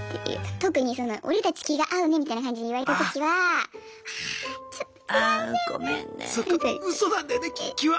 特に「オレたち気が合うね」みたいな感じで言われた時はあちょっと違うんだよなって。